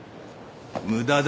・無駄だ。